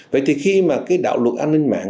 vậy thì khi mà cái đạo luật an ninh mạng